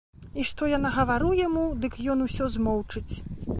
І што я нагавару яму, дык ён усё змоўчыць.